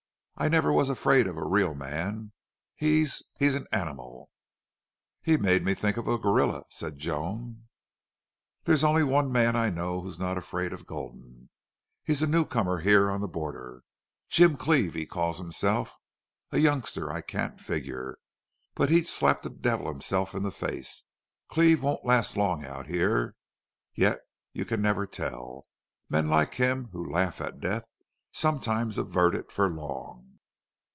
I never was afraid of a real man. He's he's an animal." "He made me think of a gorrilla," said Joan. "There's only one man I know who's not afraid of Gulden. He's a new comer here on the border. Jim Cleve he calls himself. A youngster I can't figure! But he'd slap the devil himself in the face. Cleve won't last long out here. Yet you can never tell. Men like him, who laugh at death, sometimes avert it for long.